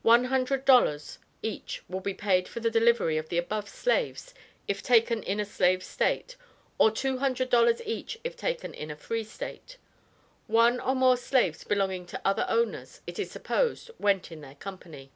One hundred dollars each will be paid for the delivery of the above slaves if taken in a slave state, or two hundred dollars each if taken in a free state. One or more slaves belonging to other owners, it is supposed, went in their company.